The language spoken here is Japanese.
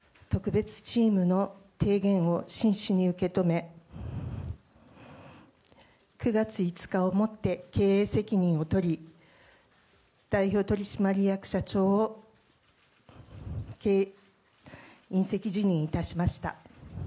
私、藤島ジュリー景子は、特別チームの提言を真摯に受け止め、９月５日をもって経営責任を取り、代表取締役社長を引責辞任いたしました。